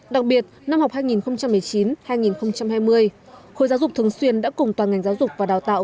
đặc biệt năm học hai nghìn một mươi chín hai nghìn hai mươi khối giáo dục thường xuyên đã cùng toàn ngành giáo dục và đào tạo